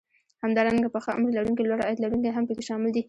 همدارنګه پخه عمر لرونکي لوړ عاید لرونکي هم پکې شامل دي